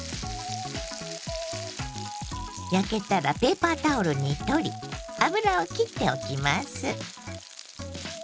焼けたらペーパータオルに取り油をきっておきます。